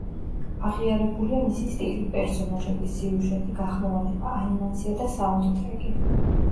აღიარებულია მისი სტილი, პერსონაჟები, სიუჟეტი, გახმოვანება, ანიმაცია და საუნდტრეკი.